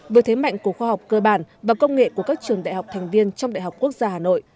với thế mạnh của khoa học cơ bản và công nghệ của các trường đại học thành viên trong đại học quốc gia hà nội